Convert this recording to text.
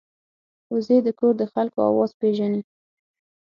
وزې د کور د خلکو آواز پېژني